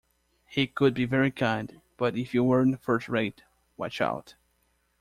He could be very kind, but if you weren't first-rate, watch out.